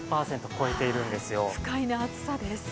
不快な暑さです。